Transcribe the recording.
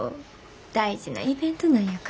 大事なイベントなんやから。